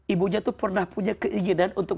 ibunya tuh pernah punya keinginan untuk